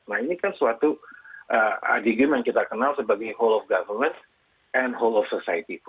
nah ini kan suatu ad game yang kita kenal sebagai whole of government and whole of society